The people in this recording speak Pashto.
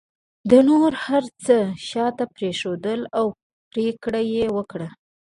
ده نور هر څه شاته پرېښودل او پرېکړه یې وکړه